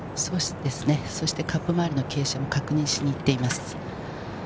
カップ周りの傾斜も確認しに行っています。